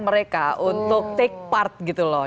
mereka untuk take part gitu loh